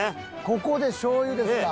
ここでしょうゆですか。